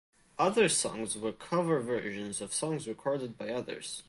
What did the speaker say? Other songs were cover versions of songs recorded by others.